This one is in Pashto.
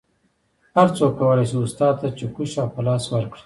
هر څوک کولی شي استاد ته چکش او پلاس ورکړي